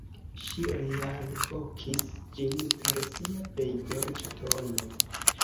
Ŝi realvokis ĝin per sia plej dolĉa tono.